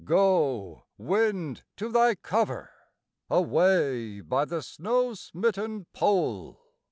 Go, wind, to thy cover Away by the snow smitten Pole!